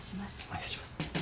お願いします。